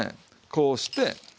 こうして。